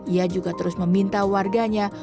ia juga terus meminta warganya